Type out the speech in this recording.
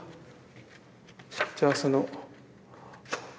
じゃあその。